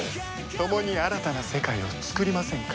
共に新たな世界を創りませんか？